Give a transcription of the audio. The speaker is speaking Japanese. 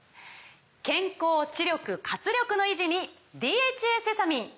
健康・知力・活力の維持に「ＤＨＡセサミン」！